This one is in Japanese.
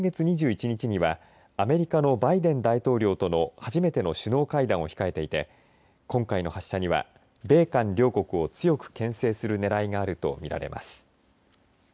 今月２１日にはアメリカのバイデン大統領との初めての首脳会談を控えていて今回の発射には米韓両国を強くけん制する狙いがあると見られます。